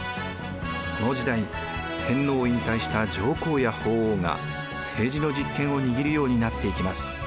この時代天皇を引退した上皇や法皇が政治の実権を握るようになっていきます。